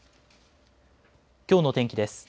きょうの天気です。